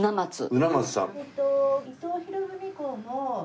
鰻松さん。